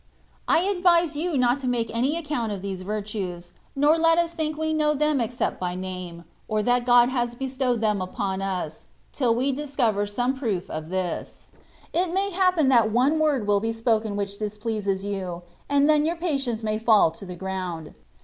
I advise you not to make any ac THE WAY OP PERFECTION. 195 count of these virtues, nor let us think we know them except by name, or that God has bestowed them upon xia, till we discover some proof of this. It may happen that one word will be spoken which displeases you, and then your patience may fall to the ground.